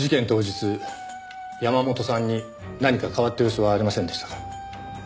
当日山本さんに何か変わった様子はありませんでしたか？